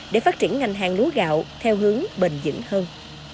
để phát triển ngành hàng lúa gạo theo hướng bền dững hơn